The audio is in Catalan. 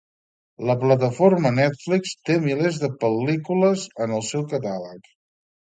La plataforma Netflix té milers de pel·lícules en el seu catàleg.